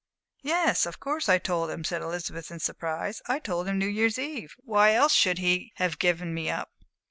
"Yes, of course I told him," said Elizabeth, in surprise. "I told him New Year's Eve. Why else should he have given me up?"